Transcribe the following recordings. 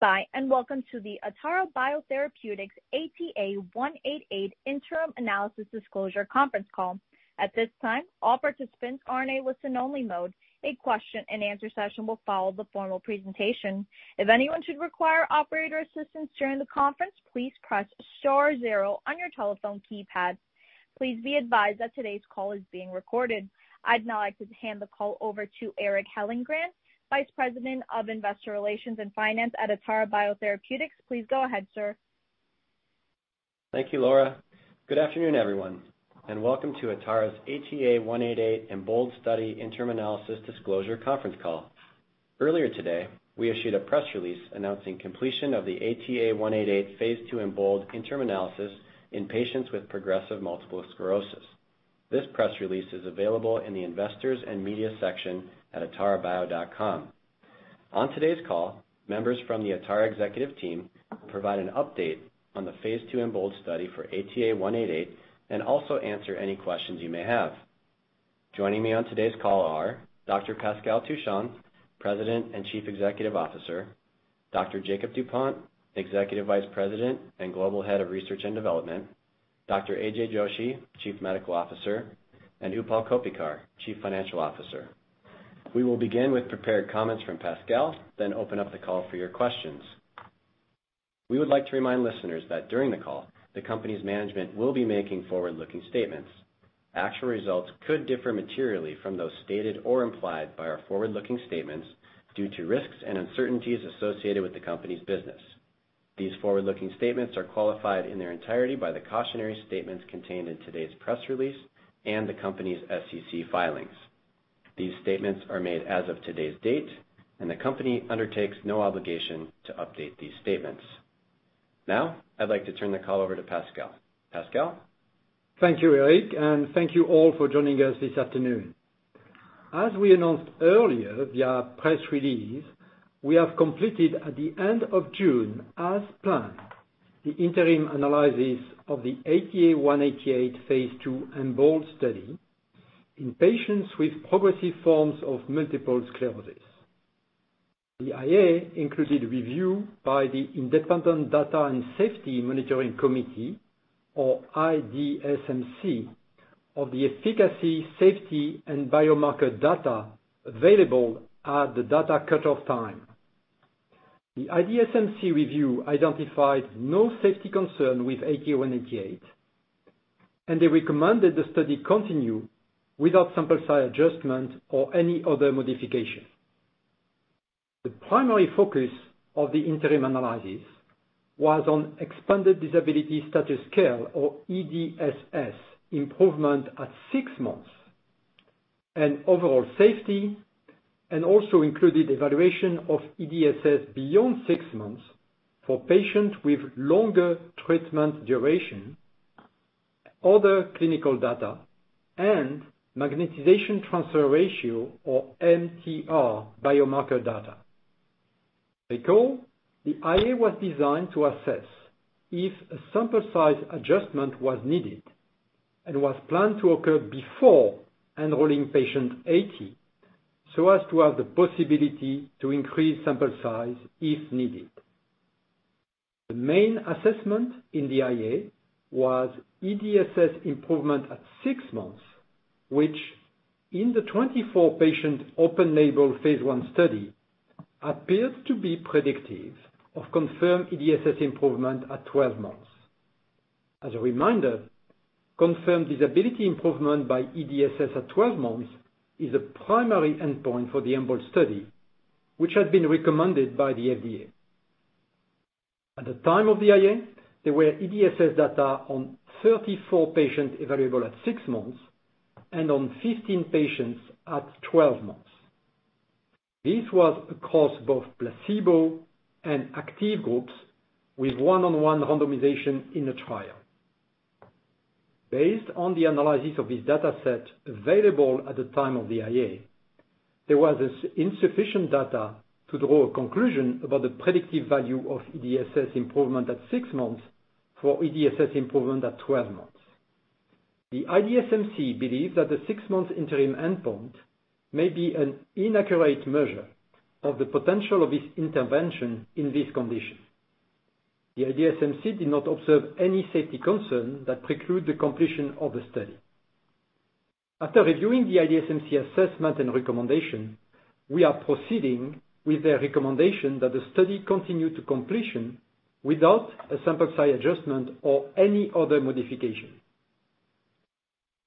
Hi, welcome to the Atara Biotherapeutics ATA188 Interim Analysis Disclosure conference call. At this time, all participants are in a listen-only mode. A question-and-answer session will follow the formal presentation. If anyone should require operator assistance during the conference, please press star zero on your telephone keypad. Please be advised that today's call is being recorded. I'd now like to hand the call over to Eric Hyllengren, Vice President of Investor Relations and Finance at Atara Biotherapeutics. Please go ahead, sir. Thank you, Laura. Good afternoon, everyone, and welcome to Atara's ATA188 EMBOLD study interim analysis disclosure conference call. Earlier today, we issued a press release announcing completion of the ATA188 phase II EMBOLD interim analysis in patients with progressive multiple sclerosis. This press release is available in the Investors and Media section at atarabio.com. On today's call, members from the Atara executive team will provide an update on the phase II EMBOLD study for ATA188 and also answer any questions you may have. Joining me on today's call are Dr. Pascal Touchon, President and Chief Executive Officer, Dr. Jakob Dupont, Executive Vice President and Global Head of Research and Development, Dr. Ajay Joshi, Chief Medical Officer, and Utpal Koppikar, Chief Financial Officer. We will begin with prepared comments from Pascal, then open up the call for your questions. We would like to remind listeners that during the call, the company's management will be making forward-looking statements. Actual results could differ materially from those stated or implied by our forward-looking statements due to risks and uncertainties associated with the company's business. These forward-looking statements are qualified in their entirety by the cautionary statements contained in today's press release and the company's SEC filings. These statements are made as of today's date, and the company undertakes no obligation to update these statements. Now, I'd like to turn the call over to Pascal. Pascal? Thank you, Eric, and thank you all for joining us this afternoon. As we announced earlier via press release, we have completed at the end of June, as planned, the interim analysis of the ATA188 phase II EMBOLD study in patients with progressive forms of multiple sclerosis. The IA included review by the Independent Data and Safety Monitoring Committee, or IDSMC, of the efficacy, safety, and biomarker data available at the data cutoff time. The IDSMC review identified no safety concern with ATA188, and they recommended the study continue without sample size adjustment or any other modifications. The primary focus of the interim analysis was on Expanded Disability Status Scale, or EDSS, improvement at six months and overall safety, and also included evaluation of EDSS beyond 6 months for patients with longer treatment duration, other clinical data and magnetization transfer ratio or MTR biomarker data. Recall, the IA was designed to assess if a sample size adjustment was needed and was planned to occur before enrolling patients 80, so as to have the possibility to increase sample size if needed. The main assessment in the IA was EDSS improvement at six months, which in the 24 patient open label phase I study appeared to be predictive of confirmed EDSS improvement at 12 months. As a reminder, confirmed disability improvement by EDSS at 12 months is a primary endpoint for the EMBOLD study, which had been recommended by the FDA. At the time of the IA, there were EDSS data on 34 patients evaluable at six months and on 15 patients at 12 months. This was across both placebo and active groups with 1:1 randomization in the trial. Based on the analysis of this data set available at the time of the IA, there was insufficient data to draw a conclusion about the predictive value of EDSS improvement at 6 months for EDSS improvement at 12 months. The IDSMC believed that the six-month interim endpoint may be an inaccurate measure of the potential of this intervention in this condition. The IDSMC did not observe any safety concern that precludes the completion of the study. After reviewing the IDSMC assessment and recommendation, we are proceeding with their recommendation that the study continue to completion without a sample size adjustment or any other modification.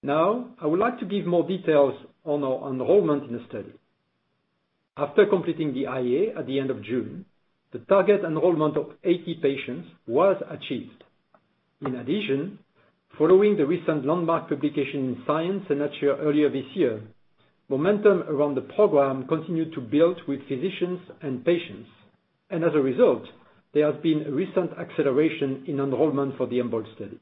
Now, I would like to give more details on our enrollment in the study. After completing the IA at the end of June, the target enrollment of 80 patients was achieved. In addition, following the recent landmark publication in Science and Nature earlier this year, momentum around the program continued to build with physicians and patients. As a result, there has been a recent acceleration in enrollment for the EMBOLD study.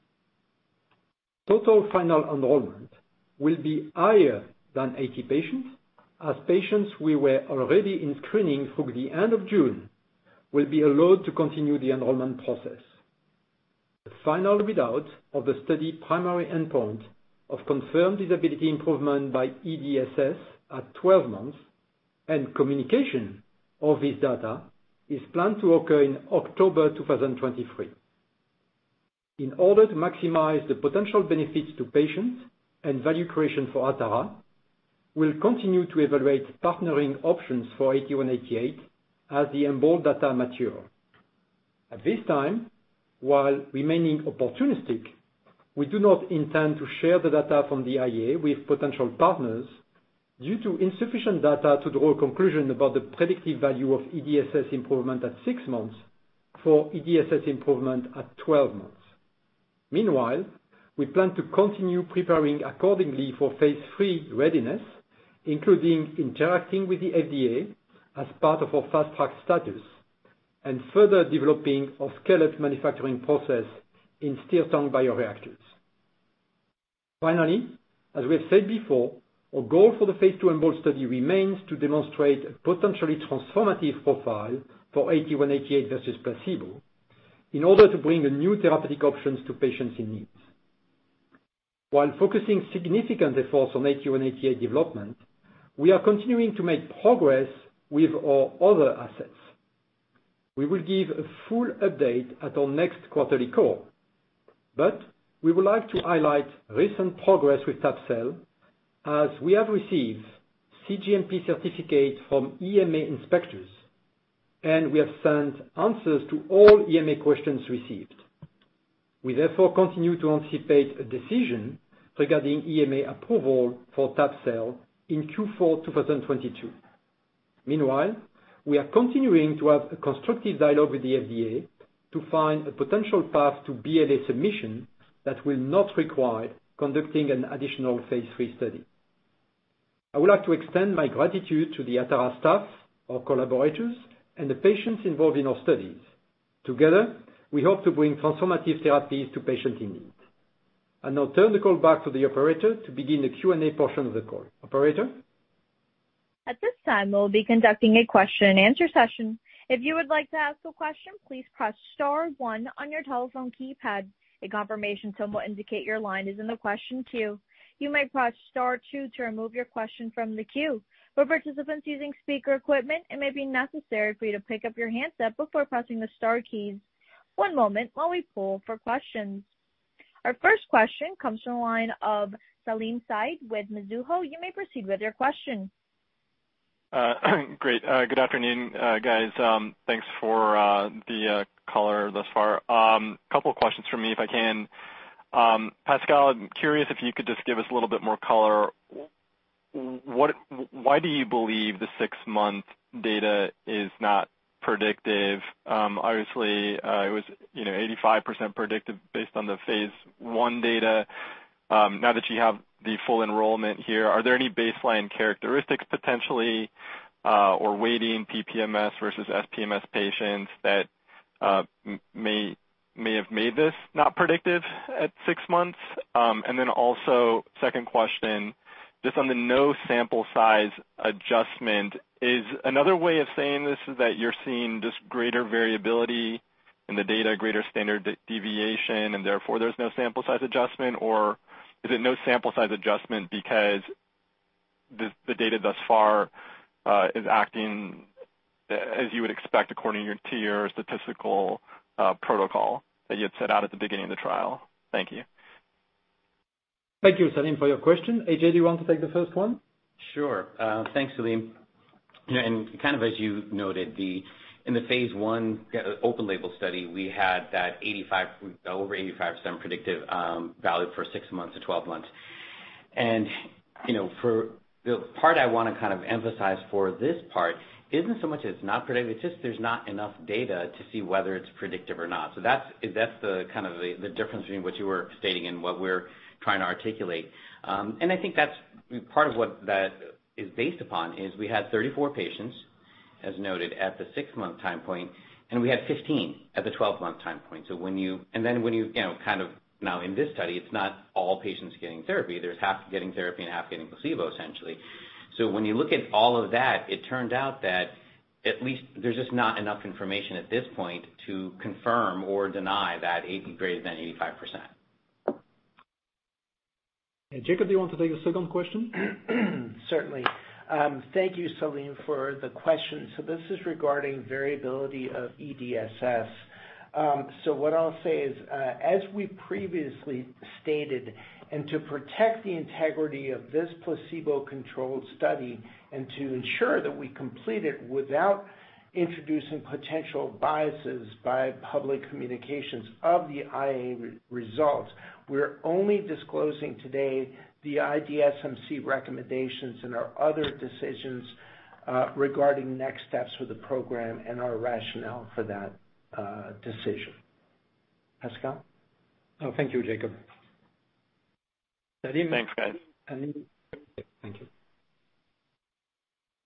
Total final enrollment will be higher than 80 patients as patients we were already in screening through the end of June will be allowed to continue the enrollment process. The final readout of the study primary endpoint of confirmed disability improvement by EDSS at 12 months and communication of this data is planned to occur in October 2023. In order to maximize the potential benefits to patients and value creation for Atara, we'll continue to evaluate partnering options for ATA188 as the EMBOLD data mature. At this time, while remaining opportunistic, we do not intend to share the data from the IA with potential partners due to insufficient data to draw a conclusion about the predictive value of EDSS improvement at 6 months for EDSS improvement at 12 months. Meanwhile, we plan to continue preparing accordingly for phase III readiness, including interacting with the FDA as part of our Fast Track status and further developing our scaled manufacturing process in stirred-tank bioreactors. Finally, as we have said before, our goal for the phase II EMBOLD study remains to demonstrate a potentially transformative profile for ATA188 versus placebo in order to bring new therapeutic options to patients in need. While focusing significant efforts on ATA188 development, we are continuing to make progress with our other assets. We will give a full update at our next quarterly call, but we would like to highlight recent progress with tabelecleucel as we have received cGMP certificates from EMA inspectors, and we have sent answers to all EMA questions received. We therefore continue to anticipate a decision regarding EMA approval for tabelecleucel in Q4 2022. Meanwhile, we are continuing to have a constructive dialogue with the FDA to find a potential path to BLA submission that will not require conducting an additional phase III study. I would like to extend my gratitude to the Atara staff, our collaborators, and the patients involved in our studies. Together, we hope to bring transformative therapies to patients in need. I'll now turn the call back to the operator to begin the Q&A portion of the call. Operator? At this time, we'll be conducting a question and answer session. If you would like to ask a question, please press star one on your telephone keypad. A confirmation tone will indicate your line is in the question queue. You may press star two to remove your question from the queue. For participants using speaker equipment, it may be necessary for you to pick up your handset before pressing the star keys. One moment while we poll for questions. Our first question comes from the line of Salim Syed with Mizuho. You may proceed with your question. Great. Good afternoon, guys. Thanks for the color thus far. Couple of questions from me, if I can. Pascal, I'm curious if you could just give us a little bit more color. Why do you believe the six-month data is not predictive? Obviously, it was, you know, 85% predictive based on the phase I data. Now that you have the full enrollment here, are there any baseline characteristics potentially, or weighting PPMS versus SPMS patients that may have made this not predictive at six months? Also, second question, just on the no sample size adjustment, is another way of saying this is that you're seeing just greater variability in the data, greater standard deviation, and therefore there's no sample size adjustment? Is it no sample size adjustment because the data thus far is acting as you would expect according to your statistical protocol that you had set out at the beginning of the trial? Thank you. Thank you, Salim, for your question. AJ, do you want to take the first one? Sure. Thanks, Salim. You know, kind of as you noted, in the phase I open label study, we had over 85% predictive value for six months to twelve months. You know, for the part I wanna kind of emphasize for this part isn't so much it's not predictive, it's just there's not enough data to see whether it's predictive or not. That's the kind of difference between what you were stating and what we're trying to articulate. I think that's part of what that is based upon is we had 34 patients, as noted, at the six-month time point, and we had 15 at the twelve-month time point. When you know, kind of now in this study, it's not all patients getting therapy. There's half getting therapy and half getting placebo, essentially. When you look at all of that, it turned out that at least there's just not enough information at this point to confirm or deny that greater than 85%. Jakob, do you want to take the second question? Certainly. Thank you, Salim, for the question. This is regarding variability of EDSS. What I'll say is, as we previously stated, and to protect the integrity of this placebo-controlled study and to ensure that we complete it without introducing potential biases by public communications of the IA results, we're only disclosing today the IDSMC recommendations and our other decisions, regarding next steps for the program and our rationale for that decision. Pascal? Oh, thank you, Jakob. Salim. Thanks, guys. Thank you.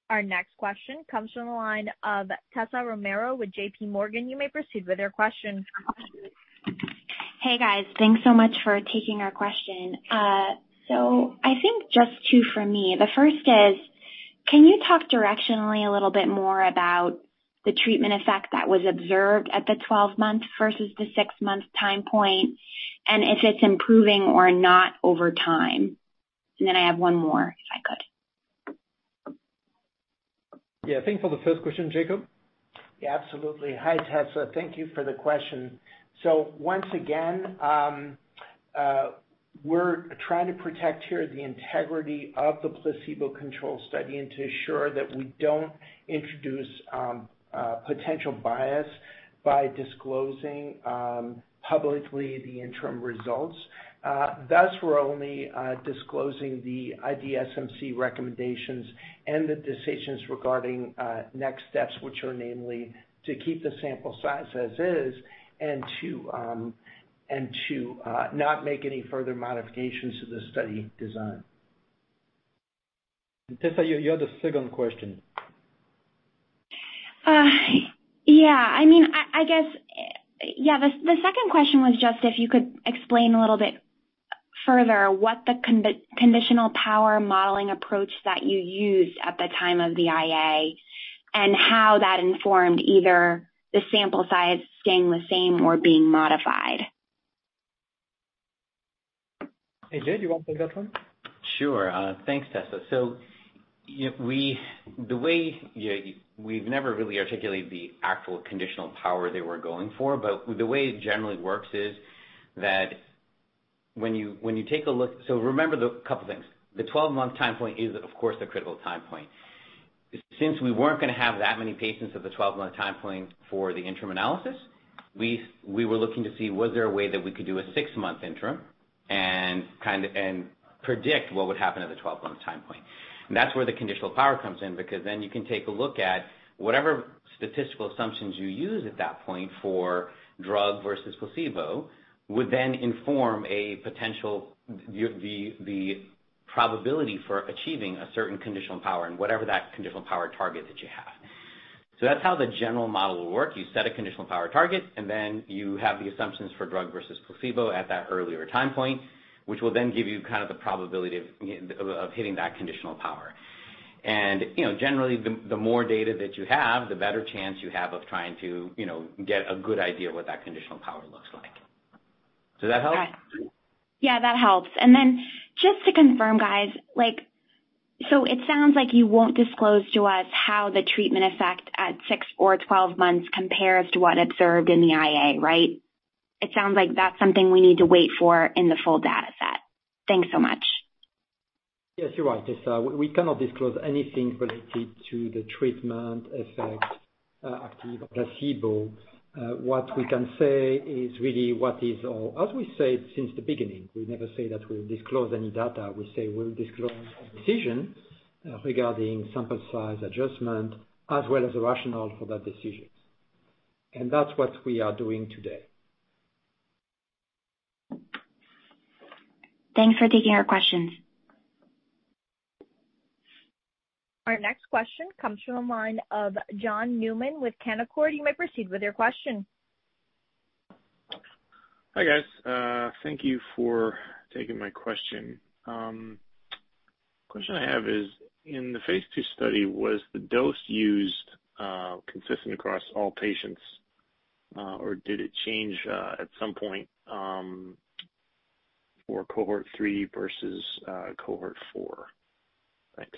Our next question comes from the line of Tessa Romero with JPMorgan. You may proceed with your question. Hey, guys. Thanks so much for taking our question. So I think just two for me. The first is. Can you talk directionally a little bit more about the treatment effect that was observed at the 12-month versus the six-month time point and if it's improving or not over time? I have one more if I could. Yeah. Thank you for the first question, Jakob. Yeah, absolutely. Hi, Tessa. Thank you for the question. Once again, we're trying to protect here the integrity of the placebo-controlled study and to assure that we don't introduce potential bias by disclosing publicly the interim results. Thus, we're only disclosing the IDSMC recommendations and the decisions regarding next steps, which are namely to keep the sample size as is and to not make any further modifications to the study design. Tessa, you had a second question. Yeah. I mean, I guess, yeah, the second question was just if you could explain a little bit further what the conditional power modeling approach that you used at the time of the IA and how that informed either the sample size staying the same or being modified. AJ, do you wanna take that one? Thanks, Tessa. The way we've never really articulated the actual conditional power that we're going for, but the way it generally works is that when you take a look. Remember the couple things. The 12-month time point is of course a critical time point. Since we weren't gonna have that many patients at the 12-month time point for the interim analysis, we were looking to see was there a way that we could do a 6-month interim and kinda and predict what would happen at the 12-month time point. That's where the conditional power comes in, because then you can take a look at whatever statistical assumptions you use at that point for drug versus placebo, would then inform the probability for achieving a certain conditional power and whatever that conditional power target that you have. That's how the general model will work. You set a conditional power target, and then you have the assumptions for drug versus placebo at that earlier time point, which will then give you kind of the probability of hitting that conditional power. You know, generally the more data that you have, the better chance you have of trying to, you know, get a good idea of what that conditional power looks like. Does that help? Yeah, that helps. Then just to confirm, guys, like, so it sounds like you won't disclose to us how the treatment effect at six or 12 months compares to what observed in the IA, right? It sounds like that's something we need to wait for in the full data set. Thanks so much. Yes, you're right, Tessa. We cannot disclose anything related to the treatment effect, active or placebo. What we can say is really, as we said since the beginning, we never say that we'll disclose any data. We say we'll disclose a decision, regarding sample size adjustment as well as the rationale for that decisions. That's what we are doing today. Thanks for taking our questions. Our next question comes from the line of John Newman with Canaccord. You may proceed with your question. Hi, guys. Thank you for taking my question. Question I have is, in the phase two study, was the dose used consistent across all patients, or did it change at some point for cohort three versus cohort four? Thanks.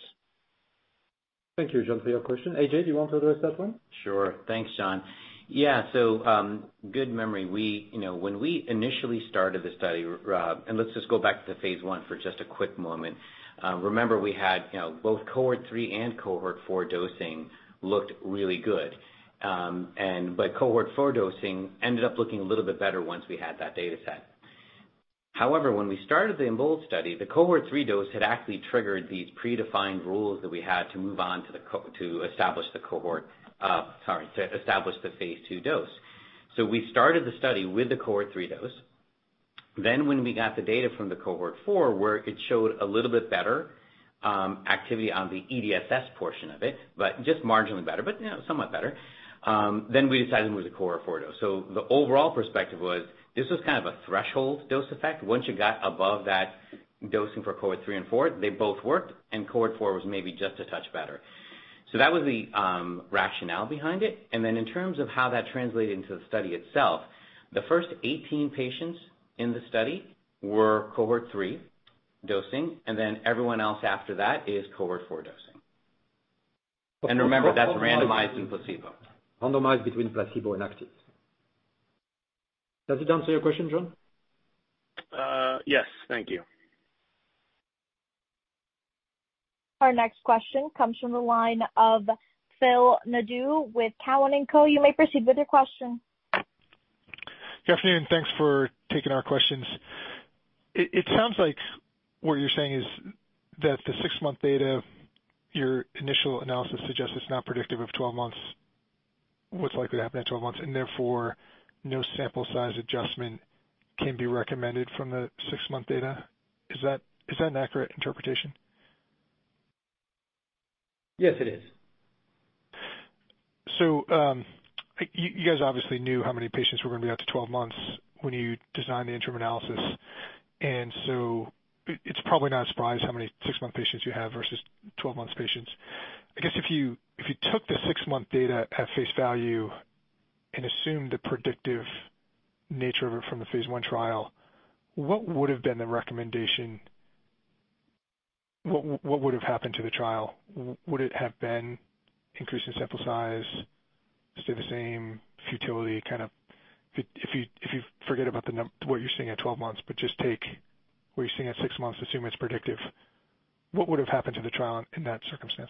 Thank you, John, for your question. AJ, do you want to address that one? Sure. Thanks, John. Yeah. Good memory. We, you know, when we initially started the study, let's just go back to the phase I for just a quick moment. Remember, we had, you know, both cohort three and cohort four dosing looked really good. Cohort four dosing ended up looking a little bit better once we had that data set. However, when we started the EMBOLD study, the cohort three dose had actually triggered these predefined rules that we had to move on to establish the phase II dose. We started the study with the cohort three dose. When we got the data from the cohort four, where it showed a little bit better activity on the EDSS portion of it, but just marginally better, but, you know, somewhat better, then we decided to move the cohort four dose. The overall perspective was, this was kind of a threshold dose effect. Once you got above that dosing for cohort three and four, they both worked, and cohort four was maybe just a touch better. That was the rationale behind it. In terms of how that translated into the study itself, the first 18 patients in the study were cohort three dosing, and then everyone else after that is cohort four dosing. Remember, that's randomized in placebo. Randomized between placebo and active. Does it answer your question, John? Yes. Thank you. Our next question comes from the line of Phil Nadeau with Cowen and Company. You may proceed with your question. Good afternoon. Thanks for taking our questions. It sounds like what you're saying is that the 6-month data, your initial analysis suggests it's not predictive of 12 months, what's likely to happen at 12 months, and therefore no sample size adjustment can be recommended from the 6-month data. Is that an accurate interpretation? Yes, it is. You guys obviously knew how many patients were gonna be up to 12 months when you designed the interim analysis. It's probably not a surprise how many 6-month patients you have versus 12-month patients. I guess if you took the six-month data at face value and assumed the predictive nature of it from the phase 1 trial, what would have been the recommendation? What would have happened to the trial? Would it have been increasing sample size, stay the same futility? Kind of if you forget about what you're seeing at 12 months, but just take what you're seeing at six months, assume it's predictive, what would have happened to the trial in that circumstance?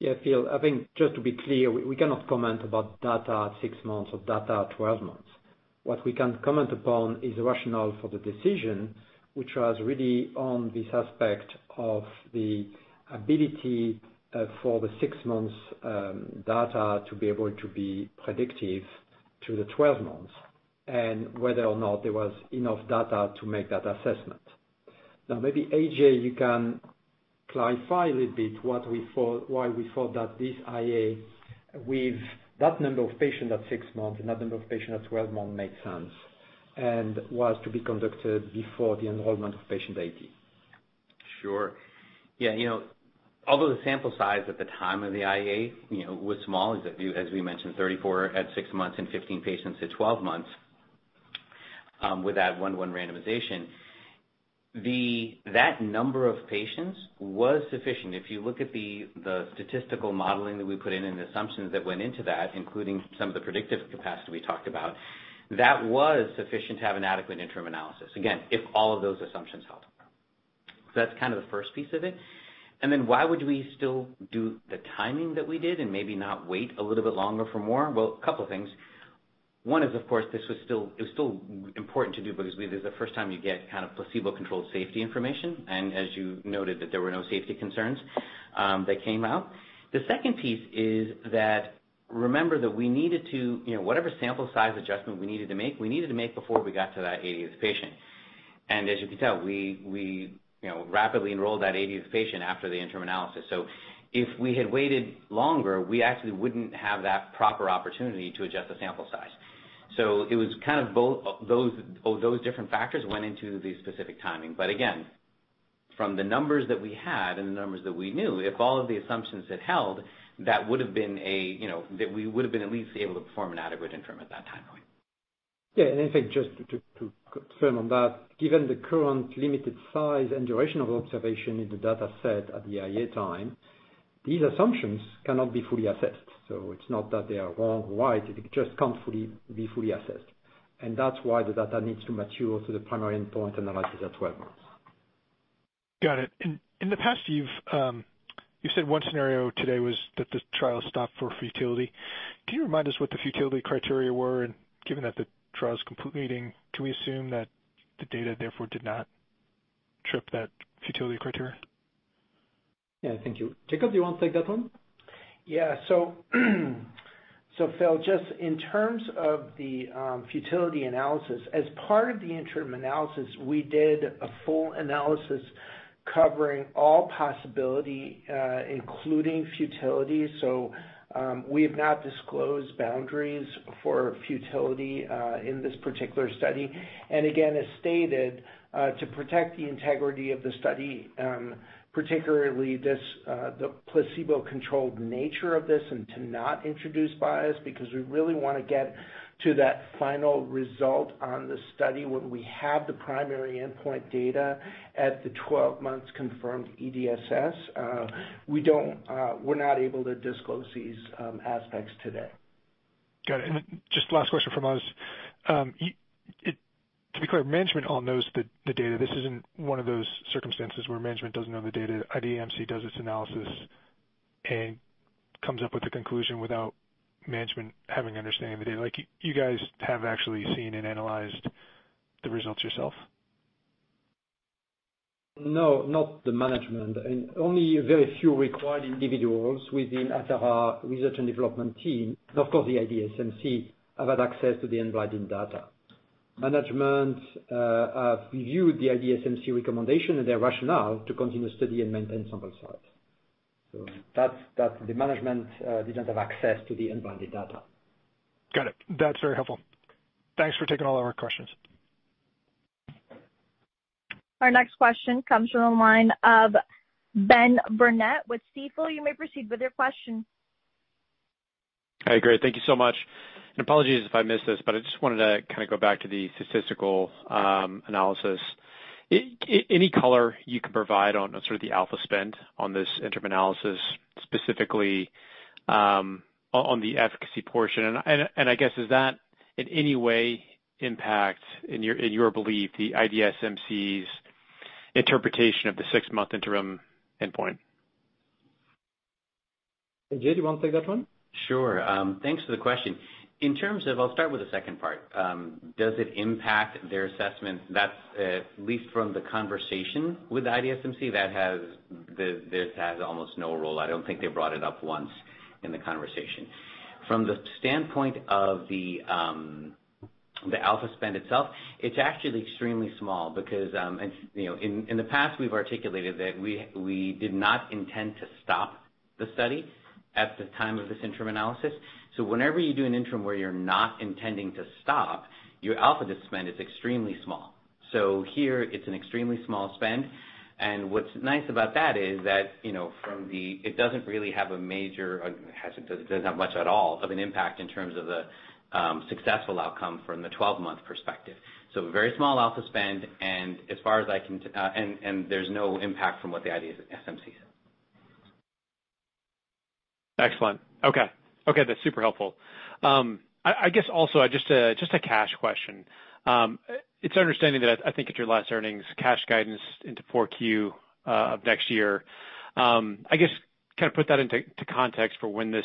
Yeah. Phil, I think just to be clear, we cannot comment about data at six months or data at 12 months. What we can comment upon is the rationale for the decision, which was really on the aspect of the ability for the six months data to be able to be predictive to the 12 months and whether or not there was enough data to make that assessment. Now, maybe, AJ, you can clarify a little bit why we thought that this IA with that number of patients at six months and that number of patients at 12 months makes sense and was to be conducted before the enrollment of patient 80. Sure. Yeah. You know, although the sample size at the time of the IA, you know, was small, as you, as we mentioned, 34 at six months and 15 patients at twelve months, with that 1-to-1 randomization, that number of patients was sufficient. If you look at the statistical modeling that we put in and the assumptions that went into that, including some of the predictive capacity we talked about, that was sufficient to have an adequate interim analysis. Again, if all of those assumptions held. That's kind of the first piece of it. Why would we still do the timing that we did and maybe not wait a little bit longer for more? Well, a couple things. One is, of course, this was still, it was still important to do because this is the first time you get kind of placebo-controlled safety information, and as you noted that there were no safety concerns that came out. The second piece is that remember that we needed to, you know, whatever sample size adjustment we needed to make, we needed to make before we got to that 80th patient. As you can tell, we, you know, rapidly enrolled that 80th patient after the interim analysis. If we had waited longer, we actually wouldn't have that proper opportunity to adjust the sample size. It was kind of both of those different factors went into the specific timing. Again, from the numbers that we had and the numbers that we knew, if all of the assumptions had held, that would have been a, you know, that we would have been at least able to perform an adequate interim at that time point. Yeah. In fact, just to confirm on that, given the current limited size and duration of observation in the dataset at the IA time, these assumptions cannot be fully assessed. It's not that they are wrong or right, it just can't be fully assessed. That's why the data needs to mature to the primary endpoint analysis at 12 months. Got it. In the past, you said one scenario today was that the trial stopped for futility. Can you remind us what the futility criteria were? Given that the trial is completing, can we assume that the data therefore did not trip that futility criteria? Yeah. Thank you. Jakob, do you want to take that one? Phil, just in terms of the futility analysis, as part of the interim analysis, we did a full analysis covering all possibilities, including futility. We have not disclosed boundaries for futility in this particular study. Again, as stated, to protect the integrity of the study, particularly the placebo-controlled nature of this and to not introduce bias, because we really wanna get to that final result on the study when we have the primary endpoint data at the 12 months confirmed EDSS, we're not able to disclose these aspects today. Got it. Just last question from us. To be clear, management all knows the data. This isn't one of those circumstances where management doesn't know the data. IDMC does its analysis and comes up with a conclusion without management having understanding of the data. Like, you guys have actually seen and analyzed the results yourself. No, not the management. Only a very few required individuals within Atara research and development team, and of course, the IDSMC have had access to the unblinded data. Management have reviewed the IDSMC recommendation and their rationale to continue study and maintain sample size. That's the management didn't have access to the unblinded data. Got it. That's very helpful. Thanks for taking all of our questions. Our next question comes from the line of Ben Burnett with Stifel. You may proceed with your question. Hey, great. Thank you so much. Apologies if I missed this, but I just wanted to kind of go back to the statistical analysis. Any color you can provide on sort of the alpha spend on this interim analysis, specifically, on the efficacy portion. I guess, does that in any way impact, in your belief, the IDSMC's interpretation of the six-month interim endpoint? AJ, do you wanna take that one? Sure. Thanks for the question. In terms of I'll start with the second part. Does it impact their assessment? That's at least from the conversation with IDSMC this has almost no role. I don't think they brought it up once in the conversation. From the standpoint of the, The alpha spend itself, it's actually extremely small because it's, you know, in the past we've articulated that we did not intend to stop the study at the time of this interim analysis. Whenever you do an interim where you're not intending to stop, your alpha spend is extremely small. Here it's an extremely small spend. What's nice about that is that, you know, it doesn't really have a major, or hasn't, doesn't have much at all of an impact in terms of the successful outcome from the 12-month perspective. Very small alpha spend, and as far as I can tell, there's no impact from what the IDMC said. Excellent. Okay, that's super helpful. I guess also just a cash question. It's understanding that I think at your last earnings cash guidance into Q4 of next year, I guess kind of put that into context for when this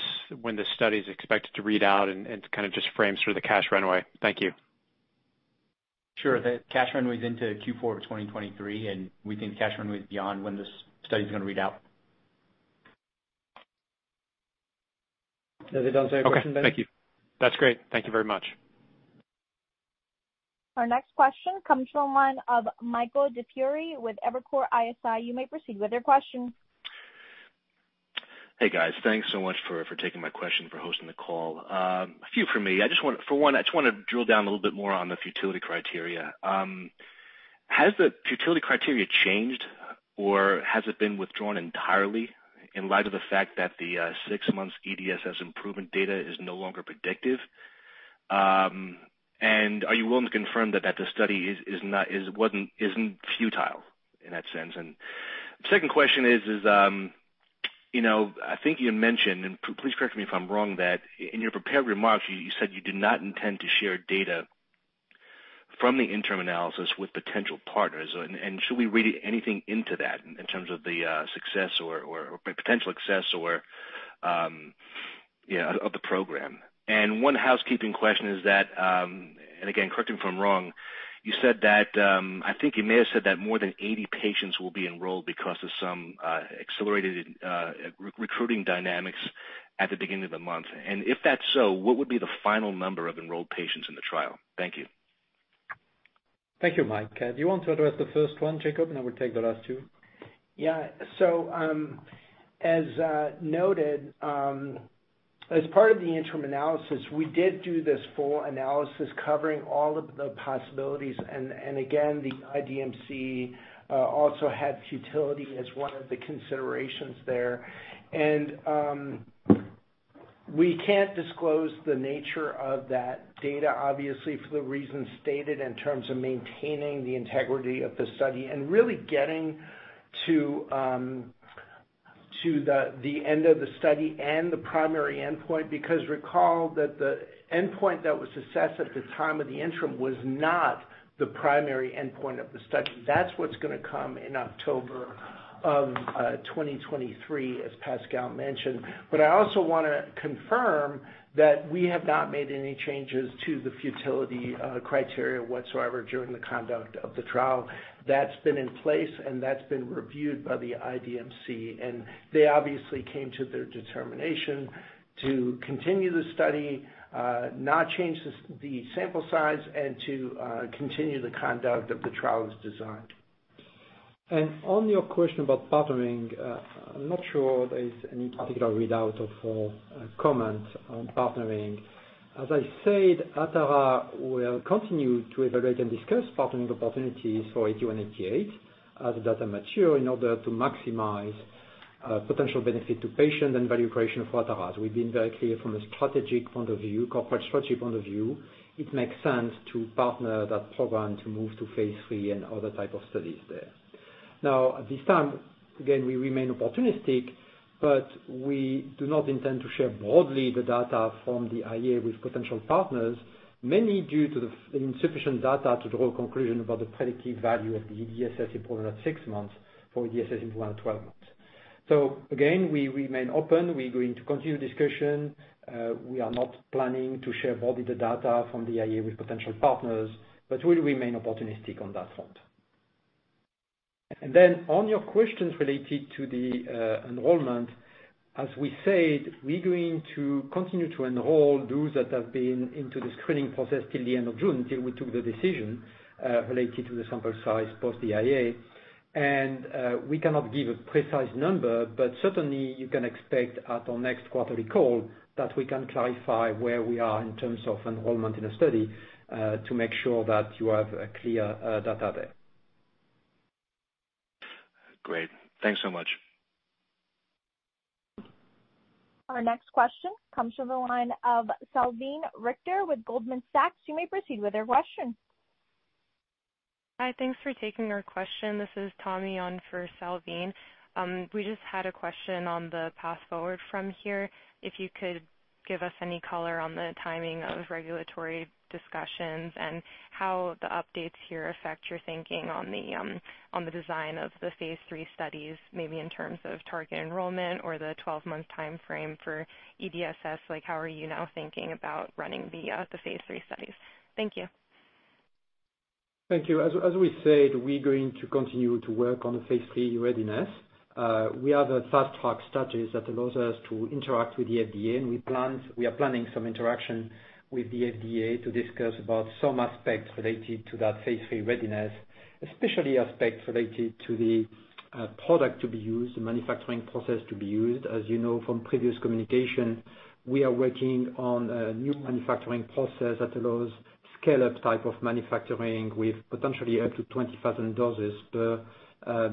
study is expected to read out and kind of just frame sort of the cash runway. Thank you. Sure. The cash runway is into Q4 of 2023, and we think cash runway is beyond when this study is gonna read out. Does that answer your question, Ben? Okay, thank you. That's great. Thank you very much. Our next question comes from the line of Michael DiFiore with Evercore ISI. You may proceed with your question. Hey, guys. Thanks so much for taking my question, for hosting the call. A few from me. For one, I just wanna drill down a little bit more on the futility criteria. Has the futility criteria changed or has it been withdrawn entirely in light of the fact that the six months EDSS improvement data is no longer predictive? Are you willing to confirm that the study isn't futile in that sense? Second question is, you know, I think you mentioned, and please correct me if I'm wrong, that in your prepared remarks you said you did not intend to share data from the interim analysis with potential partners. Should we read anything into that in terms of the success or potential success, you know, of the program? One housekeeping question is that, and again, correct me if I'm wrong, you said that I think you may have said that more than 80 patients will be enrolled because of some accelerated recruiting dynamics at the beginning of the month. If that's so, what would be the final number of enrolled patients in the trial? Thank you. Thank you, Mike. Do you want to address the first one, Jakob, and I will take the last two? Yeah. As noted, as part of the interim analysis, we did do this full analysis covering all of the possibilities. Again, the IDMC also had futility as one of the considerations there. We can't disclose the nature of that data, obviously, for the reasons stated in terms of maintaining the integrity of the study and really getting to the end of the study and the primary endpoint. Because recall that the endpoint that was assessed at the time of the interim was not the primary endpoint of the study. That's what's gonna come in October of 2023, as Pascal mentioned. I also wanna confirm that we have not made any changes to the futility criteria whatsoever during the conduct of the trial. That's been in place, and that's been reviewed by the IDMC, and they obviously came to their determination to continue the study, not change the sample size, and to continue the conduct of the trial's design. On your question about partnering, I'm not sure there is any particular readout of, or comment on partnering. As I said, Atara will continue to evaluate and discuss partnering opportunities for ATU and ATA as the data mature in order to maximize potential benefit to patients and value creation for Atara. We've been very clear from a strategic point of view, corporate strategy point of view, it makes sense to partner that program to move to phase III and other type of studies there. Now, at this time, again, we remain opportunistic, but we do not intend to share broadly the data from the IA with potential partners, mainly due to the insufficient data to draw a conclusion about the predictive value of the EDSS improvement at 6 months for EDSS improvement at 12 months. Again, we remain open. We're going to continue discussion. We are not planning to share broadly the data from the IA with potential partners, but we'll remain opportunistic on that front. On your questions related to the enrollment, as we said, we're going to continue to enroll those that have been into the screening process till the end of June, until we took the decision related to the sample size post the IA. We cannot give a precise number, but certainly you can expect at our next quarterly call that we can clarify where we are in terms of enrollment in a study to make sure that you have a clear data there. Great. Thanks so much. Our next question comes from the line of Salveen Richter with Goldman Sachs. You may proceed with your question. Hi. Thanks for taking our question. This is Tommy on for Salveen. We just had a question on the path forward from here. If you could give us any color on the timing of regulatory discussions and how the updates here affect your thinking on the design of the phase III studies, maybe in terms of target enrollment or the 12-month timeframe for EDSS. Like how are you now thinking about running the phase III studies? Thank you. Thank you. As we said, we're going to continue to work on the phase III readiness. We have a Fast Track status that allows us to interact with the FDA, and we are planning some interaction with the FDA to discuss about some aspects related to that phase III readiness, especially aspects related to the product to be used, the manufacturing process to be used. As you know from previous communication, we are working on a new manufacturing process that allows scale-up type of manufacturing with potentially up to 20,000 doses per leukopak per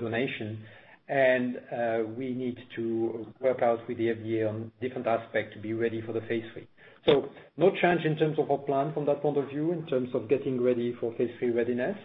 donation. We need to work out with the FDA on different aspects to be ready for the phase III. No change in terms of our plan from that point of view, in terms of getting ready for phase III readiness.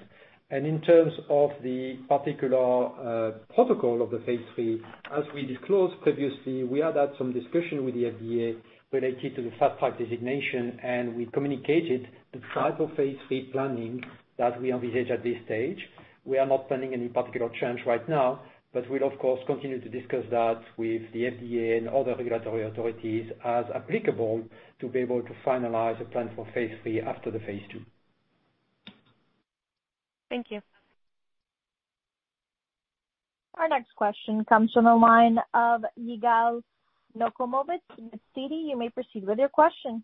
In terms of the particular protocol of the phase III, as we disclosed previously, we had had some discussion with the FDA related to the Fast Track designation, and we communicated the type of phase III planning that we envisage at this stage. We are not planning any particular change right now, but we'll of course continue to discuss that with the FDA and other regulatory authorities as applicable, to be able to finalize a plan for phase III after the phase 2. Thank you. Our next question comes from the line of Yigal Nochomovitz. Sir, you may proceed with your question.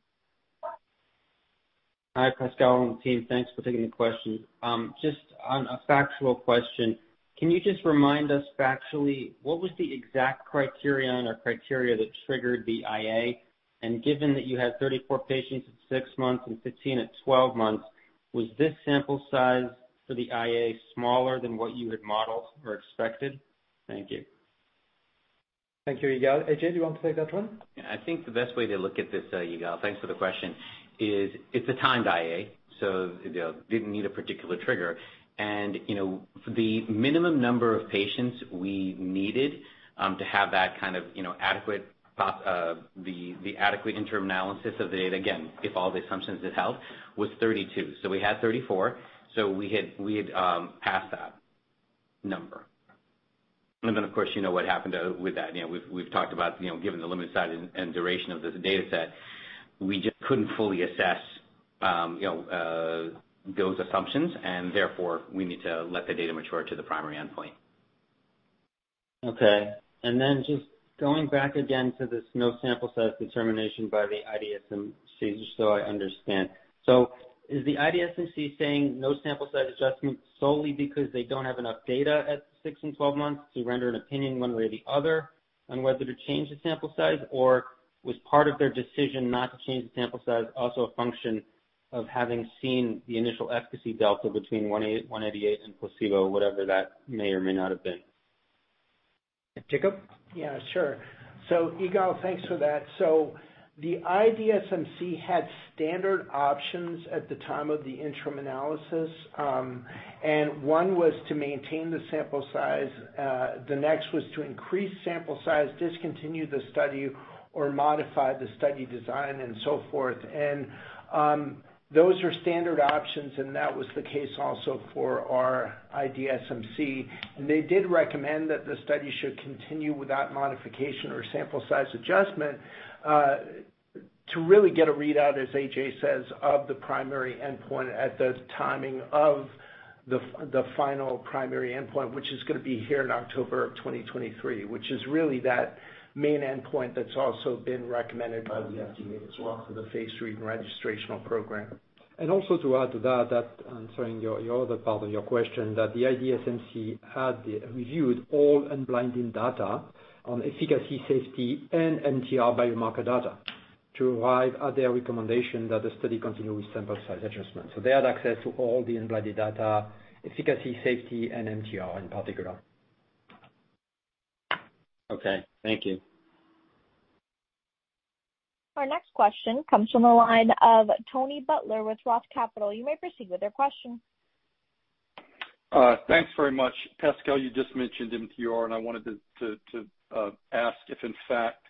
Hi, Pascal and team. Thanks for taking the question. Just on a factual question, can you just remind us factually what was the exact criterion or criteria that triggered the IA? Given that you had 34 patients at 6 months and 15 at 12 months, was this sample size for the IA smaller than what you had modeled or expected? Thank you. Thank you. Yigal. AJ, do you want to take that one? Yeah. I think the best way to look at this, Yigal, thanks for the question, is it's a timed IA, so, you know, didn't need a particular trigger. You know, for the minimum number of patients we needed to have that kind of, you know, adequate power, the adequate interim analysis of the data, again, if all the assumptions held, was 32. So we had 34, so we had passed that number. Then, of course, you know what happened with that. You know, we've talked about, you know, given the limited size and duration of this dataset, we just couldn't fully assess those assumptions, and therefore we need to let the data mature to the primary endpoint. Okay. Just going back again to this no sample size determination by the IDSMC, just so I understand. Is the IDSMC saying no sample size adjustment solely because they don't have enough data at six and 12 months to render an opinion one way or the other on whether to change the sample size, or was part of their decision not to change the sample size also a function of having seen the initial efficacy delta between ATA188 and placebo, whatever that may or may not have been? Jacob? Yeah, sure. Yigal, thanks for that. The IDSMC had standard options at the time of the interim analysis, and one was to maintain the sample size. The next was to increase sample size, discontinue the study or modify the study design and so forth. Those are standard options, and that was the case also for our IDSMC. They did recommend that the study should continue without modification or sample size adjustment, to really get a readout, as AJ says, of the primary endpoint at the timing of the final primary endpoint, which is gonna be here in October of 2023, which is really that main endpoint that's also been recommended by the FDA as well for the phase III registrational program. Also to add to that answering your other part of your question, that the IDSMC had reviewed all unblinded data on efficacy, safety, and MTR biomarker data to arrive at their recommendation that the study continue with sample size adjustment. They had access to all the unblinded data, efficacy, safety, and MTR in particular. Okay. Thank you. Our next question comes from the line of Tony Butler with Roth Capital. You may proceed with your question. Thanks very much. Pascal, you just mentioned MTR, and I wanted to ask if, in fact,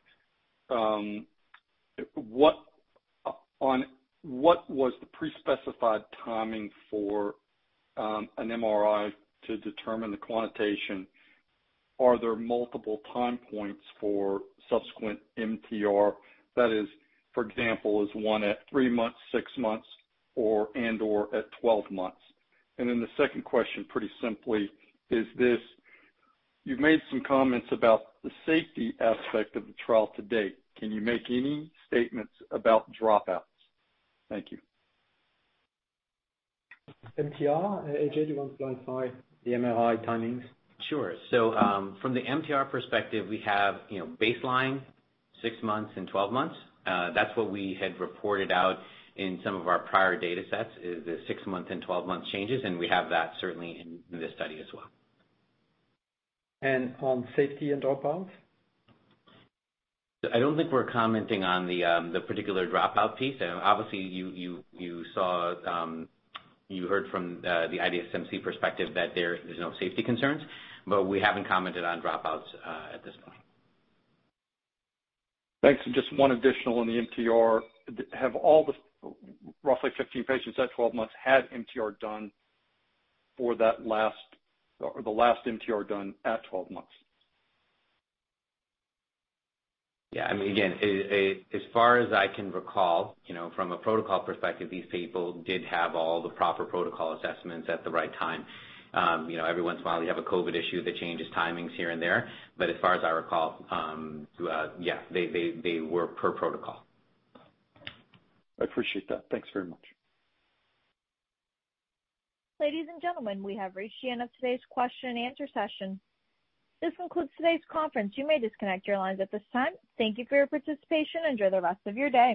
what was the pre-specified timing for an MRI to determine the quantitation? Are there multiple time points for subsequent MTR? That is, for example, is one at three months, six months, or and/or at twelve months? The second question, pretty simply is this. You've made some comments about the safety aspect of the trial to date. Can you make any statements about dropouts? Thank you. MTR. AJ, do you want to clarify the MRI timings? Sure. From the MTR perspective, we have, you know, baseline, 6 months and 12 months. That's what we had reported out in some of our prior datasets, is the 6-month and 12-month changes, and we have that certainly in this study as well. On safety and dropouts? I don't think we're commenting on the particular dropout piece. Obviously, you saw, you heard from the IDSMC perspective that there's no safety concerns, but we haven't commented on dropouts at this point. Thanks. Just one additional on the MTR. Did all the roughly 15 patients at 12 months have MTR done for that last or the last MTR done at 12 months? Yeah. I mean, again, as far as I can recall, you know, from a protocol perspective, these people did have all the proper protocol assessments at the right time. You know, every once in a while you have a COVID issue that changes timings here and there. As far as I recall, yeah, they were per protocol. I appreciate that. Thanks very much. Ladies and gentlemen, we have reached the end of today's question and answer session. This concludes today's conference. You may disconnect your lines at this time. Thank you for your participation. Enjoy the rest of your day.